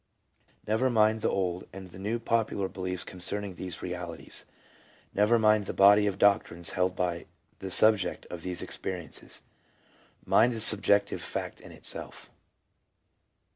Never mind the old and the new popular beliefs concerning these realities, never mind the body of doctrines held by the sub ject of these experiences ; mind the subjective fact in itself.